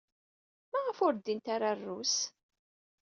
Maɣef ur ddint ara ɣer Rrus?